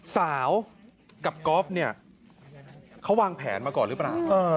สาวกับก๊อฟเนี่ยเขาวางแผนมาก่อนหรือเปล่า